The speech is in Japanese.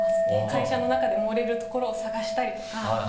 会社の中で盛れるところを探したりとか。